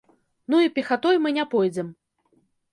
Ну і пехатой мы не пойдзем.